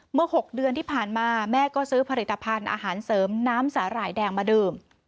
เมื่อ๖เดือนที่ผ่านมาแม่ก็ซื้อผลิตภัณฑ์อาหารเสริมน้ำสาหร่ายแดงมาดื่ม